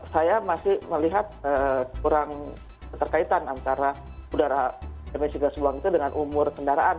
saya masih melihat kurang keterkaitan antara udara emisi gas buang itu dengan umur kendaraan